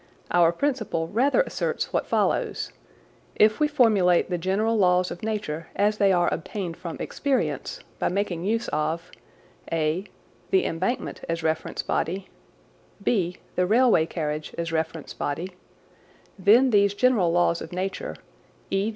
Our principle rather asserts what follows : If we formulate the general laws of nature as they are obtained from experience, by making use of (a) the embankment as reference body, (b) the railway carriage as reference body, then these general laws of nature (e.